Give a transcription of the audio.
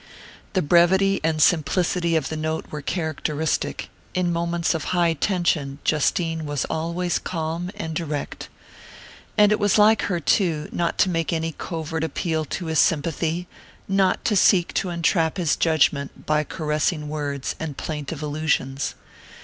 The brevity and simplicity of the note were characteristic; in moments of high tension Justine was always calm and direct. And it was like her, too, not to make any covert appeal to his sympathy, not to seek to entrap his judgment by caressing words and plaintive allusions.